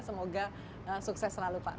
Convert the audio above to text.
semoga sukses selalu pak